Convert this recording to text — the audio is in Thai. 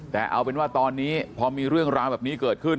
แต่เอาเป็นว่าตอนนี้พอมีเรื่องราวแบบนี้เกิดขึ้น